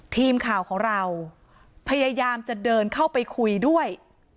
ทีมข่าวของเราพยายามจะเดินเข้าไปคุยด้วย